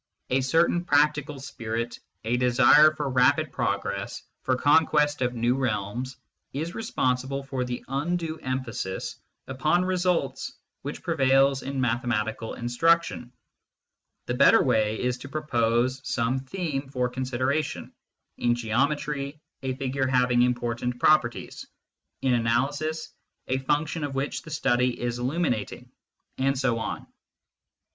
A certain practical spirit, a desire for rapid progress, for conquest of new realms, is responsible for the undue emphasis upon results which prevails in mathematical instruction. The better way is to propose some theme for consideration in geometry, a figure having important properties ; in analysis, a function of which the study is illuminating, and so on.